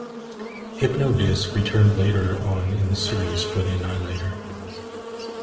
Hypno-Disc returned later on in the series for the Annihilator.